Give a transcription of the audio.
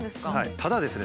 ただですね